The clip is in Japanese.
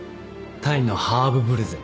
タイのハーブブレゼ。